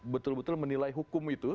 betul betul menilai hukum itu